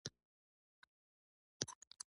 پسرلي صاحب پوره پنځه شپېته کاله.